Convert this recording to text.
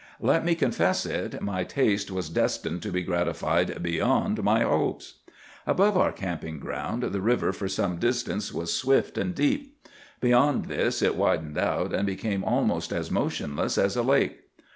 "Let me confess it, my taste was destined to be gratified beyond my hopes. "Above our camping ground the river for some distance was swift and deep. Beyond this it widened out, and became almost as motionless as a lake.